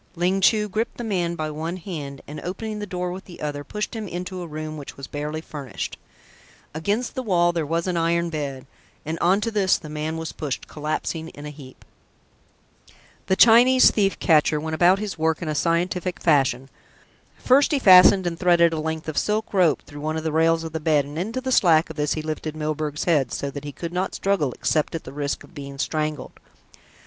Ling Chu gripped the man by one hand and opening the door with the other, pushed him into a room which was barely furnished. Against the wall there was an iron bed, and on to this the man was pushed, collapsing in a heap. The Chinese thief catcher went about his work in a scientific fashion. First he fastened and threaded a length of silk rope through one of the rails of the bed and into the slack of this he lifted Milburgh's head, so that he could not struggle except at the risk of being strangled.